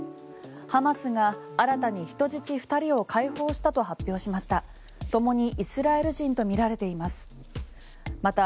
ハマスが新たに人質２人を解放したと発表しました。